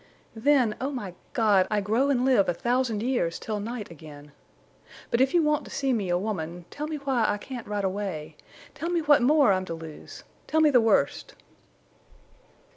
Then, O my God! I grow and live a thousand years till night again!... But if you want to see me a woman, tell me why I can't ride away—tell me what more I'm to lose—tell me the worst."